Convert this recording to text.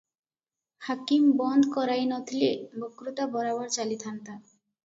ହାକିମ ବନ୍ଦ କରାଇ ନ ଥିଲେ ବତ୍କୃତା ବରାବର ଚାଲିଥାନ୍ତା ।